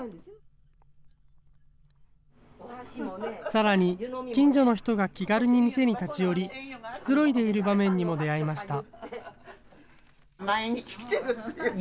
さらに近所の人が気軽に店に立ち寄り、くつろいでいる場面にも出会いました。